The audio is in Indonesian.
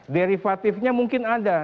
derivatifnya mungkin ada